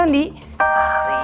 dan andi mengenali kamar ini